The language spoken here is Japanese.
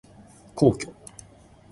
皇居